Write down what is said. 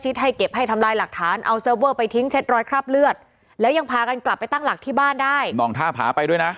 แต่ทุกคนยังคงมีสติ